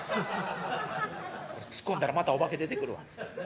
ツッコんだらまたお化け出てくるわ」。